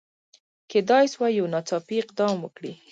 کېدلای سوای یو ناڅاپي اقدام وکړي.